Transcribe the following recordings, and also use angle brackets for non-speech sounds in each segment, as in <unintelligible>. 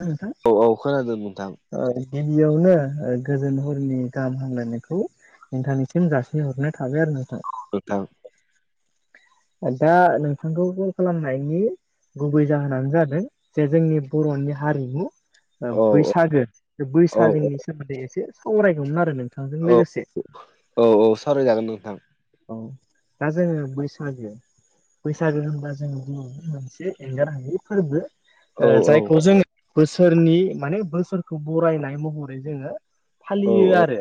ओ नोंथां, औ औ खोनादों नोंथां। गिबियावनो गोजोन हरनि गाहाम हामलायनायखौ नोंथानिसिम जााससिनहरनाय थाबाय आरो नोंथां खथ <unintelligible> दा नोंथांखौ कल खालामनायनि गुबै जाहोनानो जादों जे जोंनि बर'नि हारिमु औ बैसागो बे औ बैसागोनि सोमोन्दै एसे सावरायगौमोन आरो नों बिथां औ लोगोसे औ औ सावरायजागोन नोंथां <inaudible> औ दा जोङो बै सागो बैसागो होनबा जों गुबु मोनसे एंगारहै फोरबो। औ औ जायखौ जोङो बोसोरनि माने बोसोरखौ बरायनाय महरै जोङो औ फालियो औ आरो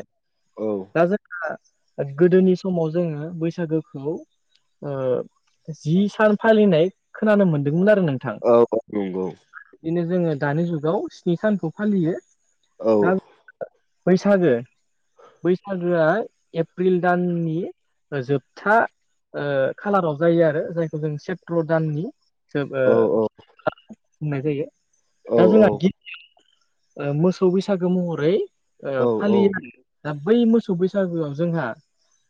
औ दा जोंहा गोदोनि समाव जोङो बैसागोखौ औ जि सान फालिनाय खोनानो मोनदोंमोन आरो नोंथां औ औ नंगौ बिदिनो जोङो दानि जुगाव स्नि सानखौ फालियो। औ दा बैसागो बैसागोआ एप्रिल दाननि ओ जोबथा ओ खालाराव जायो आरो जायखौ जों सेथ्र' दाननि जोब ओ औ बुंनाय जायो औ दा औ जोंहा ओ मोसौ बैसागो महरै ओ औ फालियो आरो। दा बै मोसौ बैसागोआव जोंहा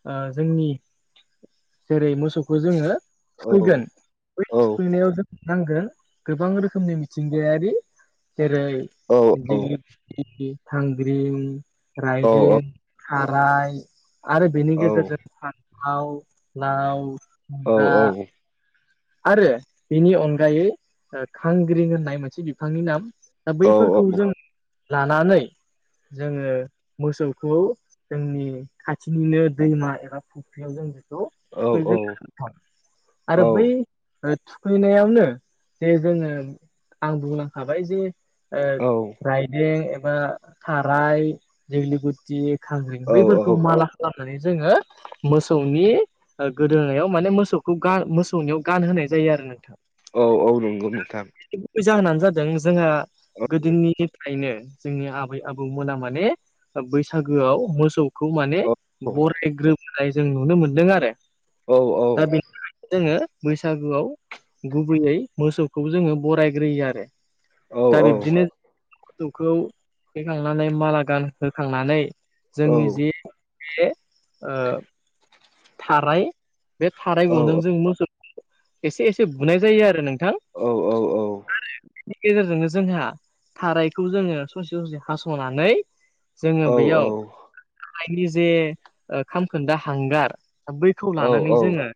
ओ जोंनि जेरै मोसौ खौ जोङो औ फैगोन बै औ थुखैनायाव जों नांगोन गोबां रोखोमनि मिथिंगायारि जेरै औ <unintelligible> घांग्रिं रायदों औ थाराय आरो बेनि औ गेजेरजों फान्थाव लाव जा आरो बिनि अनगायै ओ घांग्रिं होननाय मोनसे बिफांनि नाम दा बैफोरखौ जों लानानै जोङो मोसौखौ जोंनि खाथिनिनो दैमा एबा फुख्रियाव जों बेखौ थुखैगोन आरो बै थुखैनायावनो जे जोङो आं बुंलांखाबाय जे ओ राइदों एबा थाराय दिघलि गुटि खांग्रिं बैफोरखौ माला खालामनानै जोङो मोसौनि गोदोनोनायाव माने मोसौखौ गार मोसौनियाव गान होनाय जायो आरो नोंथां। औ औ नंगौ नोंथां बै जाहोनानो जादों जोंहा औ गोदोनिफ्रायनो जोंनि आबै आबौमोना माने बैसागोआव मोसौ खौ माने औ बरायग्रोबोनाय जों नुनो मोनदों आरो औ औ दा बेनि जोङो बैसागुआव गुबैयै मोसौखौ जोङो बरायग्रोयो आरो। औ दा बिब्दिनो मोसौखौ थुखैखांनानै माला गान होखांनानै जोंनि जि बे ओ थाराय बे थाराइ औ गनजों जों मोसौखौ एसे एसे बुनाय जायो आरो नोंथां। औ औ आरो बेनि गेजेरजोंनो जोंहा थारायखौ जोङो ससे ससे हास'नानै जोङो बेयाव थायो जे ओ खामखोन्दा हांगार बै खौ लानानै जोङो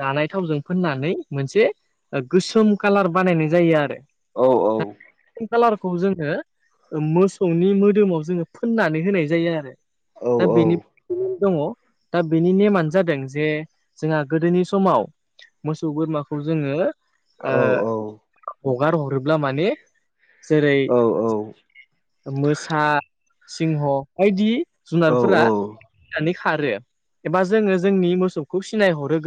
जानाय थावजों फोननानै मोनसे गोसोम कालार बानायनाय जायो आरो। औ औ कालारखौ जोङो मोसौनि मोदोमाव जोङो फोननानै होनाय जायो आरो। औ दा औ बेनि <unintelligible> दङ दा बेनि नेमानो जादों जे जोंहा गोदोनि समाव मोसौ बोरमाखौ जोङो ओ हगार हरोब्ला माने जेरै मोसा सिंह बायदि जुनारफोरा गिनानै खारो एबा जोङो जोंनि मोसौखौ सिनायहरो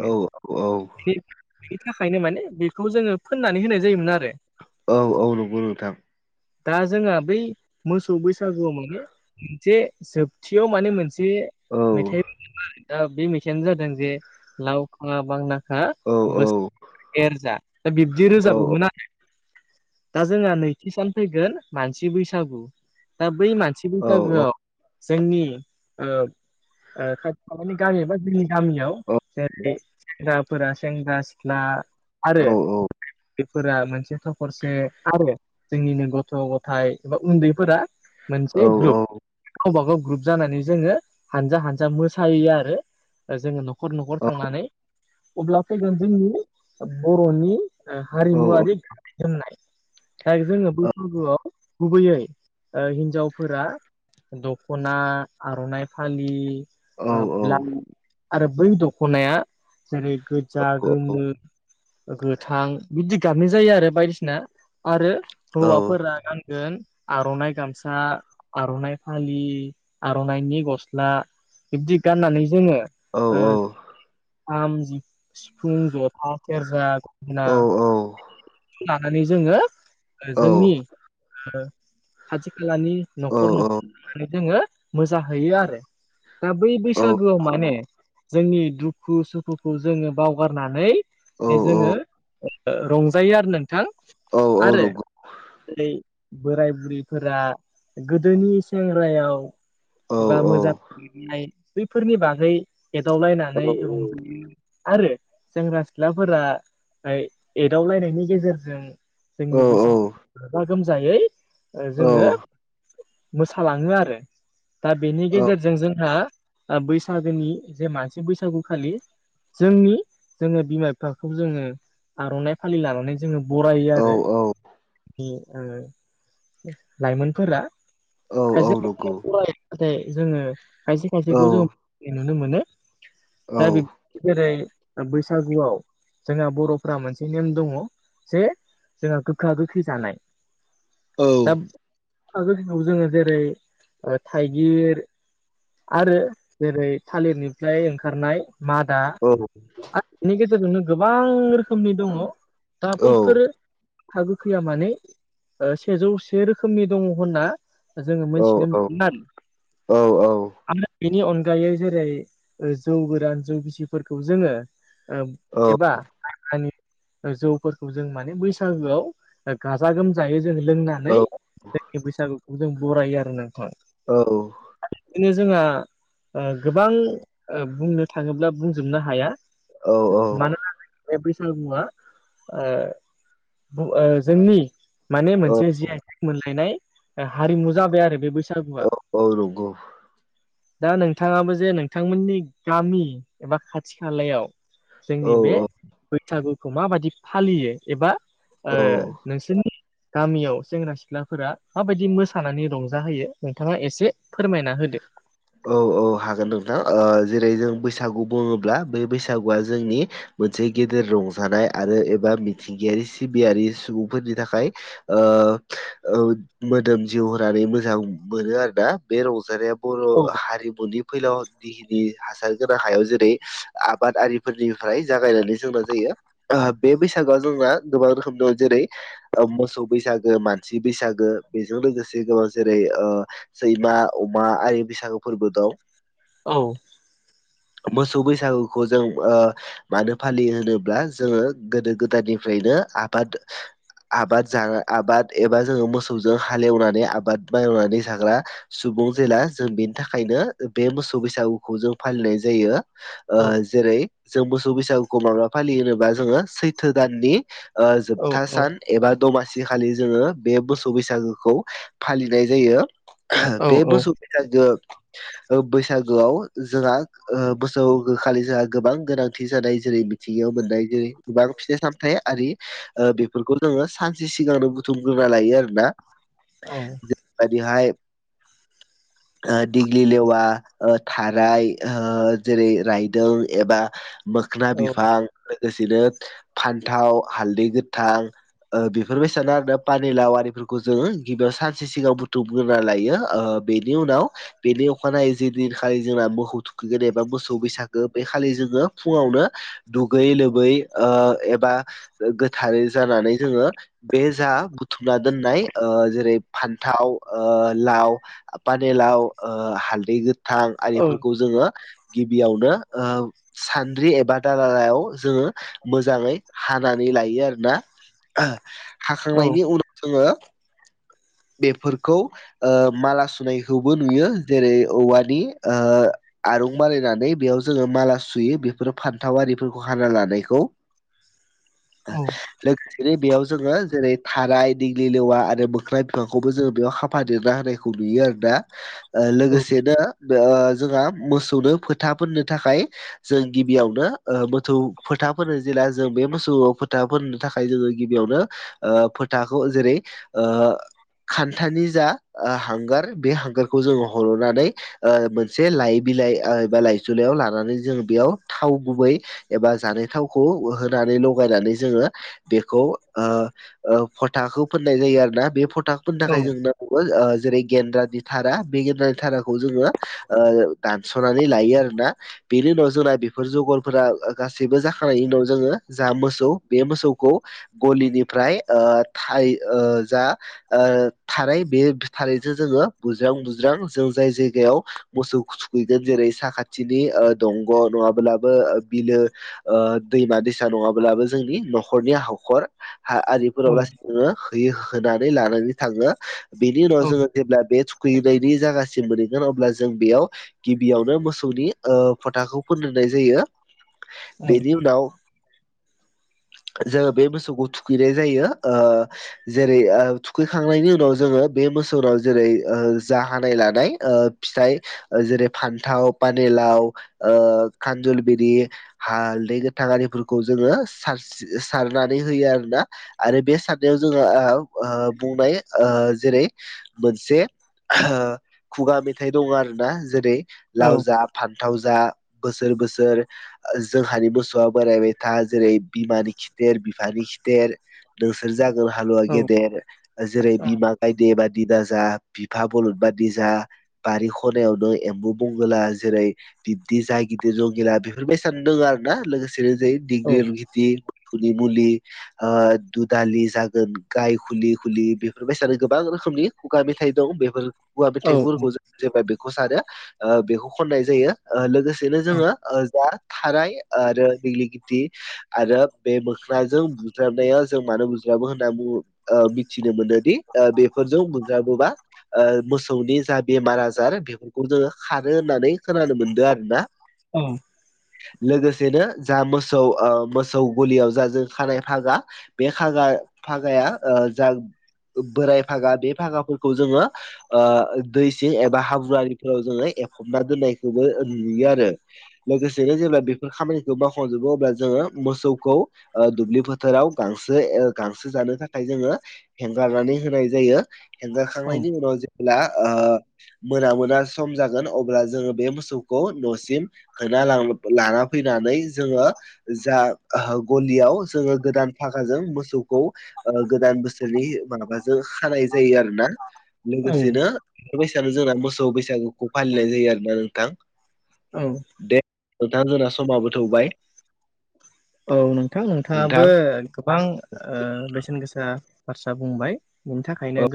औ औ बे बेनि थाखायनो माने बेखौ जोङो फोननानै होनाय जायोमोन आरो। औ औ नंगौ नोंथां दा जोंहा बै मोसौ बैसागुआव माने उम जे जोबथियाव माने मोनसे बे औ मेथाइ <unintelligible> दा बे मेथाइानो जादों जे लावखाङा बांना हो औ औ बोसोर ऐरजा दा बिब्दि औ रोजाबोमोन आरो। दा जोंहा नैथि सान फैगोन मानसि बैसागु दा बै मान थि औ बैसागोआव जोंनि ओ ओ खाथि खालाानि गामिबा एबा जोंनि गामियाव जेरै सेंग्राफोरा सेंग्रा सिख्ला आरो बेफोरा मोनसे थखरसे आरो जोंनिनो गथ' गथाय बा उन्दैफोरा मोनसे ग्रुप गावबागाव ग्रुप जानानै जोङो हानजा हानजा मोसायो आरो। जोङो न'खर न'खर थांनानै अब्ला फैगोन जोंनि बर'नि ओ हारिमुवारि दिन्थिजेननाय जोङो बैसाबोआव गुबैयै हिनजावफोरा दखना आर'नाइ फालि औ ओ औ ब्ला नंगौ औ नंगौ आरो बै दख'नाया जेरै गोजा औ गोमो गोथां बिदि गाबनाय जायो आरो बायदिसिना आरो हौवाफोरा गानगोन आर'नाइ गामसा आर'नाइ फालि आर'नाइनि गस्ला बिब्दि गाननानै जोङो औ ओ औ खाम सिफुं जथा सेरजा गंगोना लानानै जोङो जोंनि ओ खाथि खालानि न'खर नख जोङो मोजाहैयो आरो। दा बै बैसागोआव माने जोंनि दुख दुखु सुखुखौ जोङो बावगारनानै बे जोङो रंजायो आरो नोंथां आरो जेरै बोराय बुरैफोरा गोदोनि सेंग्रायाव एबा मोजां मोननाय बैफोरनि बागै एदावलायनानै रंजायो आरो सेंग्रा सिख्लाफोरा एदावलायनायनि गेजेरजों जोंनि बैसागु गाजा गोमजायै ओ जोङो मोसालाङो आरो। दा बेनि गेजेरजों जोंहा ओ बैसागोनि जे मानसि बैसागु खालि जोंनि जोङो बिमा बिफाखौ जोङो आर'नाय फालि लानानै जोङो बरायो आरो। ओ लायमोनफोरा खायसे खायसे फन रालायबाथाय जोङो खायसे खायसेखौ जोङो नुनो मोनो। दा जेरै बैसागुआव जोंहा बर'फोरा मोनसे नेम दङ जे जोंहा गोखा गोखै जानाय। औ। दा <unintelligible> जेरै थाइगिर आरो जेरै थालिरनिफ्राय ओंखारनाय। मादा औ औ आरो बिनि गेजेरजोंनो गोबां रोखोमनि दङ'। दा औ बैफोरो हागो खैया माने ओ सेजौ से रोखोमनि दङ' होनना जोङो मोनथिनो औ मोनोमोन। औ औ। आरो बेनि अनगायै जेरै जौ गोरान। जौ गिसिफोरखौ जोङो ओ औ एबा मायब्रानि जौफोरखौ जों माने बैसागोआव गाजा गोमजायै जों लोंनानै जोंनि बैसागुखौ जों बरायो आरो नोंथां। औ बिदिनो जोंहा गोबां ओ बुंनो थाङोब्ला बुंजोबनो हाया। औ मानोना बे बैसागुआ ओ खौ ओ जोंनि माने औ मोनसे जि आइ टेक मोनलायनाय हारिमु जाबाय आरो बे बैसागुआ। औ औ नंगौ दा नोंथाङाबो जे नोंथांमोननि गामि एबा खाथि खालायाव जोंनि बे औ बैसागुखौ माबायदि फालियो एबा औ ओ नोंसोरनि गामियाव सेंग्रा सिख्लाफोरा माबायदि मोसानानै रंजाहोयो नोंथाङा एसे फोरमायना होदो। औ औ हागोन नोंथां ओ जेरै जों बैसागु बुङोब्ला बे बैसागुआ जोंनि मोनसे गेदेर रंजानाय आरो एबा मिथिंगायारि सिबियारि सुबुंफोरनि थाखाय मोदोम जिउ होनानै मोजां मोनो आरोना बे रंजानाया औ। बर' हारिमुनि फैलाव जिखिनि हासार गोनां हायाव जेरै आबाद आरिफोरनिफ्राय जागायनानै जोंना जायो। ओ बे बैसागोआव जोंना गोबां रोखोम दं जेरै मोसौ बैसागो मानसि बैसागो बेजों लोगोसे गोबां जेरै सैमा अमा आरो बैसागु फोरबो दं। औ मोसौ बैसागुखौ जों ओ मानो फालियो होनोब्ला जोङो गोदो गोदायनिफ्रायनो आबाद आबाद जा आबाद एबा जोङो मोसौजों हालेवनानै आबाद मावनानै जाग्रा सुबुं जेला जों बेनि थाख खायनो बे मोसौ बैसागुखौ जों फालिनाय जायो ओ औ जेरै जों मोसौ बैसागुखौ माबा फालियोबा जोङो सैथो दाननि ओ औ जोबथा औ सान। एबा दमासि खालि जोङो बे मोसौ बैसागोखौ फालिनाय जायो औ बे बोसौ बिदांजों बैसागोआव जोंहा बोसौ खालि जोंहा गोबां गोनांथि जानाय जेरै थिगयाव मोननाय जेरै गोबां फिथाय सामथाय आरि बेफोरखौ जोङो सानसे सिगांनो बुथुमग्रोना लायो आरोना औ बादिहाय ओ दिग्लि लेवा थाराय जेरै रायदों एबा मोखोन औ बिफां लोगोसेनो फान्थाव हालदै गोथां बेफोरबायसिानो आरो पानिलााविफोरखौ जोङो गिबियाव सानसे सिगां बुथुमगोना लायो बेनि उनाव बेनि अखानायै जेदिनखालि जोंना मोखौ थुखैगोन एबा मोसौ बैसागो बे खालि जोङो फुङावनो दुगै लोबै ओ एबा गोथारै जानानै जोङो बे जा बुथुमना दोननाय ओ जेरै फान्थाव ओ लाव। पानेलाव ओ हालदै गोथां औ आरिफोरखौ जोङो गिबियावनो ओ सान्द्रि एबा दालायाव जोङो मोजाङै हानानै लायो आरोना औ हाखांनायनि उनाव जोङो बेफोरखौ माला सुनाय होबोन नुयो जेरै औवानि आरुं बानायनानै बेयाव जोङो माला सुयो बेफोरो फान्थावआरिफोरखौ हाना लानायखौ। <inaudible> औ <inaudible> लोगोसेनो बेयाव जोङो जेरै थाराय दिग्लि लेवा आरो मोख्रा बिफांखौबो जोङो बेयाव हाब फदेरना होनायखौ नुयो आरोना लोगोसेनो ओ जोंहा मोसौनो फोथा फोननो थाखाय। जों गिबियावनो मोसौ फोथा फो जेला जों बे मोसौ फोथा फोननो थाखाय जोङो गिबियावनो फोथाखौ जेरै खान्थानि जा हांगार बे हांगारखौ जोङो हर'नानै मोनसे लइ बिलाइ एबा लाइसुलाइयाव लानानै जों बेयाव थाव गुबै एबा जानाय थावखौ होनानै लगायनानै जोङो बेखौ फथाखौ फोननाय जायो आरो ना बे फथा थाखाय जों जेरै गेन्द्रा दि धारा बे गेनानै धाराखौ जोङो दानस'नानै लायो आरोना बेनि उनाव जोंना बेफोर जगलफोरा गासैबो जाखांनायनि उनाव जोङो जा मोसौ बे मोसौखौ गलिनिफ्राय ओ थाय ओ जा ओ थाराय बे थारायजों जोङो बुज्रां बुज्रां जों जाय जायगायाव मोसौ थुखैगोन जेरै साखाथिनि ओ दंग' नङाबोलाबो बिलो ओ दैमा दैसा नङाबोलाबो जोंनि न'खरनि हाख'र हा आरि फोराव <unintelligible> होयो होनानै लानानै थाङो। बेनि उनाव जोङो जेब्ला बे खैनायनि जागासिम मोनहैगोन अब्ला जों बेयाव गिबियावनो मोसौनि ओ फोथाखौ फोनोननाय जायो। बेनि उनाव जोङो बे मोसौखौ थुखैनाय जायो। ओ जेरै ओ थुखैखांनायनि उनाव जोङो बे मोसौनाव जेरै ओ जा हानाय लानाय ओ फिथाइ ओ जेरै फान्थाव, पानिलाव ओ खानजल बिरि हालदै गोथां आरिफोरखौ जोङो सारसि सारनानै होयो आरोना। आरो बे सारनायाव जोङो ओ ओ बुंनो हायो ओ जेरै मोनसे हो खुगा मेथाइ दं आरो ना जेरै लाव जा फान्थाव जा बोसोर बोसोर ओ जोंहानि मोसौआ बोरायबाय था जेरै बिमानि खिथेर बिफानि खिथेर नोंसोर जागोन हालुवा गेदेर जेरै बिमा गायदे बादि दाजा बिफा बलद बादि जा बारि खनायावनो एम्बु बंगोला जेरै बिब्दि जा गिदिर जंगिला बेफोर बायसानो दों आरो ना लोगोसेनो जै डिग्रिलगि थि खुलि मुलि ओ दुदालि जागोन गाय खुलि खुलि बेफोरबायसानो गोबां रोखोमनि खुगा मेथाइ दं बेफोर खुवा मेथाइफोरखौ जों जेब्ला बेखौ सारो ओ बेखौ खननाय जायो। ओ लोगोसे थोनो जोङो ओ जा थाराय आरो दिलिगिटि आरो बे मोख्राजों बुज्राबनायाव जों मानो बुज्राबो होनना बुङो ओ मिथिनो मोनोदि बेफोरजों बुज्राबोबा ओ मोसौनि जा बेमार आजार बेफोरखौ जोङो खारो होननानै खोनानो मोनदों आरो ना। औ। लोगोसेनो जा मोसौ ओ मोसौ गलियाव जा जों खानाय फागा बे खाजा फागाया ओ जा बोराय फागा बे फागाफोरखौ जोङो ओ दैसिं एबा हाब्रुवारिफोराव जोङो एफबना दोननायखौबो नुयो आरो। लोगोसेनो जेब्ला बेफोर खामानिखौ मावखांजोबो अब्ला जोङो मोसौखौ ओ दुब्लि फोथाराव गांसो ए गांसो जानो थाखाय जोङो हेंगारनानै होनाय जायो। औ हेंगारखांनायनि उनाव जेब्ला ओ मोना मोना सम जागोन अब्ला जोङो बे मोसौखौ न'सिम होना लां लाना फैनानै जोङो जा गलियाव जोङो गोदान फागाजों मोसौखौ गोदान बोसोरनि माबाजों खानाय जायो आरो ना। औ लोगोसेनो ओ बेै सानावनो जोंना मोसौ बैसागुखौ फालिनाय जायो आरो ना नोंथां। औ। दे नोंथां जोंना समाबो थौबाय। औ नोंथां नोंथां नोंथाङाबो गोबां ओ बेसेन गोसा बाथ्रा बुंबाय। बेनि थाखायनो